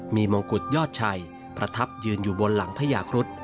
มีมงกุฎยอดชัยประทับยืนอยู่บนหลังพญาครุฑ